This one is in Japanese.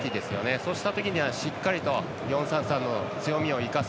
そうしたときにはしっかりと４‐３‐３の強みを生かす。